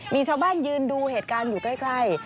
มีชาวบ้านยืนดูเหตุการณ์อยู่ใกล้